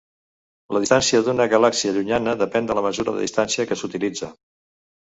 La "distància" d'una galàxia llunyana depèn de la mesura de distància que s'utilitza.